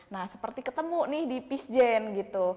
nah seperti ketemu nih di peacegen gitu